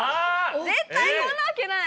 絶対こんなわけない。